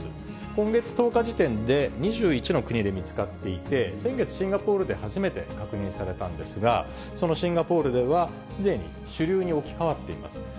今月１０日時点で２１の国で見つかっていて、先月、シンガポールで初めて確認されたんですが、そのシンガポールでは、すでに主流に置き換わっています。